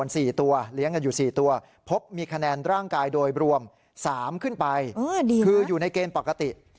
สามขึ้นไปคืออยู่ในเกณฑ์ปกติ